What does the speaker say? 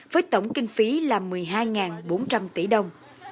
với tổng kinh phí là một mươi hai bốn trăm linh tỷ đồng